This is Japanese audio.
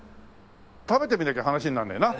食べてみなきゃ話になんねえな。